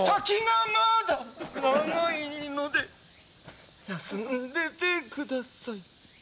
先がまだ長いので休んでてください。